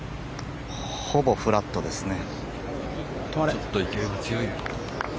ほぼフラットですね。